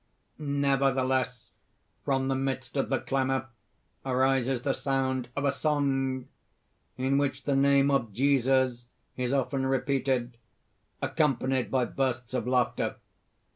_ _Nevertheless, from the midst of the clamor arises the sound of a song, in which the name of Jesus is often repeated, accompanied by bursts of laughter.